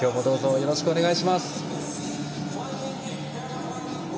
よろしくお願いします。